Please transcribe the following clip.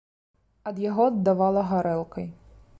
Ад яго аддавала гарэлкай.